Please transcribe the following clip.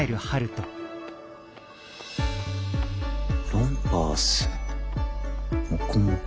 ロンパースモコモコ。